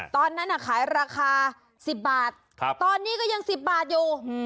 ตอนนั้นขายราคา๑๐บาทตอนนี้ก็ยัง๑๐บาทอยู่